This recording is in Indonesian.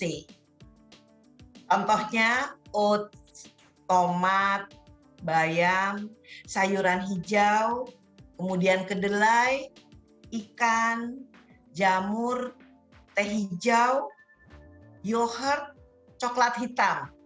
contohnya oats tomat bayam sayuran hijau kemudian kedelai ikan jamur teh hijau yohurt coklat hitam